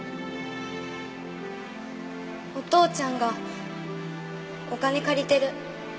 お父ちゃんがお金借りてる。